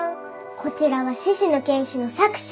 こちらは「獅子の拳士」の作者。